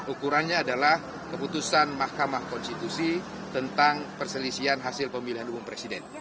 ukurannya adalah keputusan mahkamah konstitusi tentang perselisihan hasil pemilihan umum presiden